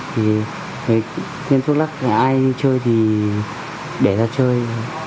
thì trên thuốc lắc ai chơi thì để ra chơi